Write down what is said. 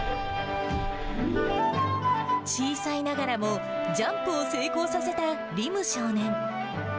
小さいながらもジャンプを成功させた輪夢少年。